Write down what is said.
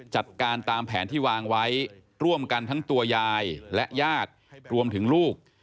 จัดการตามแผนที่วางไว้ร่วมกันทั้งตัวยายและญาติรวมถึงลูก